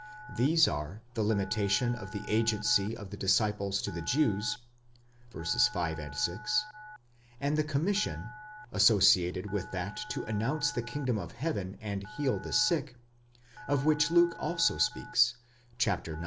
These are the limitation of the agency of the disciples to the Jews (v. 5, 6), and the commission (associated with that to announce the kingdom of heaven and heal the sick, of which Luke also speaks, ix.